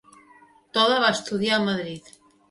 Toda va estudiar a Madrid.